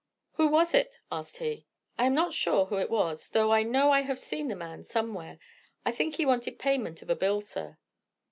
"Who was it?" asked he. "I am not sure who it was, though I know I have seen the man, somewhere. I think he wanted payment of a bill, sir."